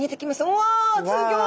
おわすギョい！